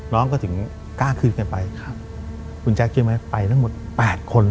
น้องก็ถึง๙คืนกันไปคุณแจ๊คเชื่อมั้ยไปตั้งหมด๘คน